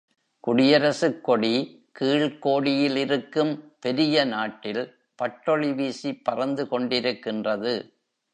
குடியரசுக் கொடி கீழ்க்கோடியிலிருக்கும் பெரிய நாட்டில் பட்டொளி வீசிப் பறந்து கொண்டிருக்கின்றது.